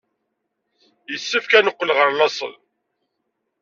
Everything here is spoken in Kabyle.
Yessefk ad neqqel ɣer laṣel.